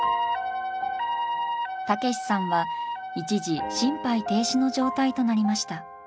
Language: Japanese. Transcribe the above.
毅さんは一時心肺停止の状態となりました。